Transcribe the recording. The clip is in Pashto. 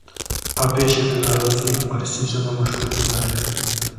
حافظ شیرازي د فارسي ژبې مشهور شاعر و.